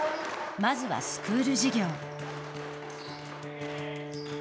まずはスクール事業。